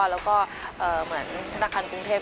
แล้วก็เหมือนธนาคารกรุงเทพ